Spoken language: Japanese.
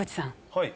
はい。